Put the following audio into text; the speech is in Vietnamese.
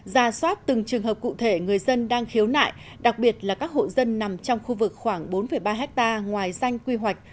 ra soát từng trường hợp cụ thể người dân đang khiếu nại đặc biệt là các hộ dân nằm trong khu vực khoảng bốn ba ha ngoài danh quy hoạch